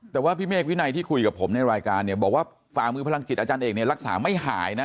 แต่ว่าพี่เมฆวินัยที่คุยกับผมในรายการเนี่ยบอกว่าฝ่ามือพลังจิตอาจารย์เอกเนี่ยรักษาไม่หายนะ